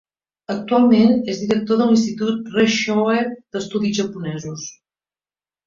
Actualment és director de l'Institut Reischauer d'estudis japonesos.